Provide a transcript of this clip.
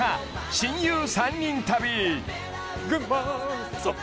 親友３人旅